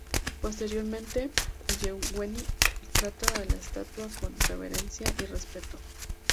Posteriormente Yevgueni trata a la estatua con reverencia y respeto.